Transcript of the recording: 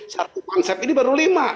satu konsep ini baru lima